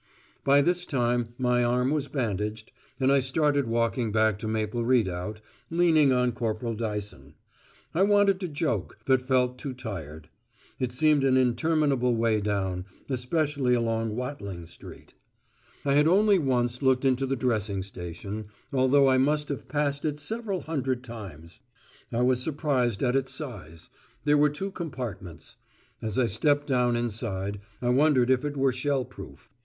By this time my arm was bandaged and I started walking back to Maple Redoubt, leaning on Corporal Dyson. I wanted to joke, but felt too tired. It seemed an interminable way down, especially along Watling Street. I had only once looked into the dressing station, although I must have passed it several hundred times. I was surprised at its size: there were two compartments. As I stepped down inside, I wondered if it were shell proof.